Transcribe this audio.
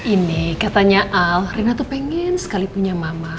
ini katanya al rina tuh pengen sekali punya mama